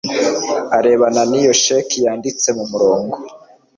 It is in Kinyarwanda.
arebana n iyo sheki yanditse mu murongo